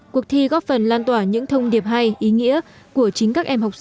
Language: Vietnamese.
cuộc thi góp phần lan tỏa những thông điệp hay ý nghĩa của chính các em học sinh